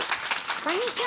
こんにちは！